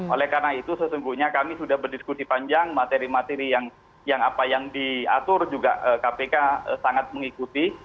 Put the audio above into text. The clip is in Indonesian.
oleh karena itu sesungguhnya kami sudah berdiskusi panjang materi materi yang diatur juga kpk sangat mengikuti